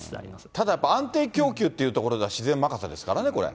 ただ、安定供給というところでは自然任せですからね、これ。